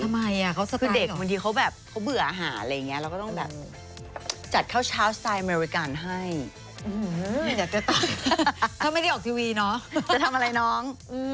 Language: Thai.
ไม่ได้ออกทีวีเนอะจะทำอะไรน้องทำอะไรบางอย่าง